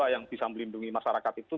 yang bisa melindungi masyarakat itu